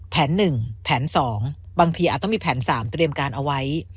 แผนหนึ่งแผนสองบางทีอาจต้องมีแผนสามเตรียมการเอาไว้